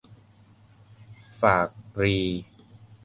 ฝากรี